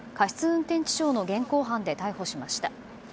運転致傷の現行犯で逮捕しました。